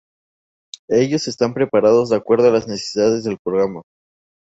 Ellos están preparados de acuerdo a las necesidades del programa.